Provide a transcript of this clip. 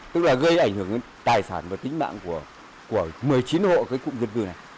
tức là gây ảnh hưởng tài sản và tính mạng của một mươi chín hộ cái cụm vật vương này